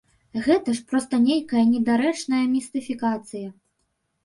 Гэта ж проста нейкая недарэчная містыфікацыя.